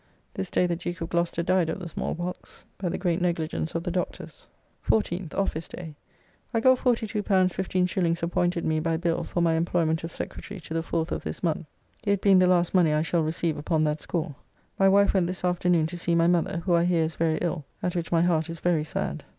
This day the Duke of Gloucester died of the small pox, by the great negligence of the doctors. 14th (Office day). I got L42 15s. appointed me by bill for my employment of Secretary to the 4th of this month, it being the last money I shall receive upon that score. My wife went this afternoon to see my mother, who I hear is very ill, at which my heart is very sad.